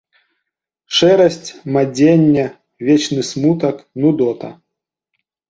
Шэрасць, мадзенне, вечны смутак, нудота.